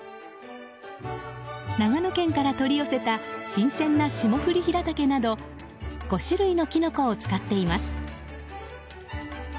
長野県から取り寄せた新鮮な霜降りヒラタケなど５種類のキノコを使っています。